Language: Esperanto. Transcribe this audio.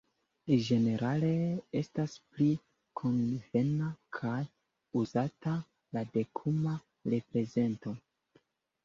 Ĝenerale estas pli konvena kaj uzata la dekuma reprezento.